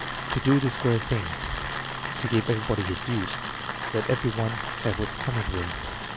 "To do the square thing." "To give everybody his dues." "Let every one have what's coming to him."